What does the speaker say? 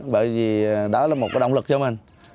bởi vì đó là một động lực cho mình